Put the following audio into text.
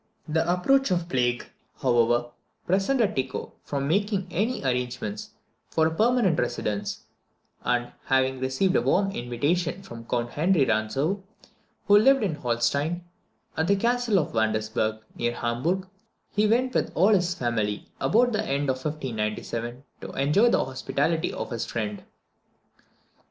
The approach of the plague, however, prevented Tycho from making any arrangements for a permanent residence; and, having received a warm invitation from Count Henry Rantzau, who lived in Holstein at the Castle of Wandesberg, near Hamburg, he went with all his family, about the end of 1597, to enjoy the hospitality of his friend.